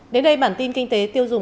đến đây bản tin kinh tế tiêu dùng